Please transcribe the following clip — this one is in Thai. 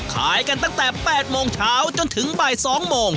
ขายกันตั้งแต่๘โมงเช้าจนถึงบ่าย๒โมง